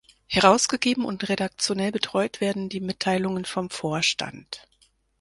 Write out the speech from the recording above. Herausgegeben und redaktionell betreut werden die Mitteilungen vom Vorstand.